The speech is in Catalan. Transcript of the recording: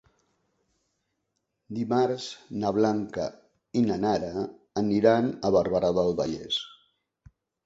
Dimarts na Blanca i na Nara aniran a Barberà del Vallès.